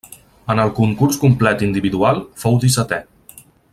En el concurs complet individual fou dissetè.